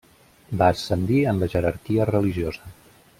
Va ascendir en la jerarquia religiosa.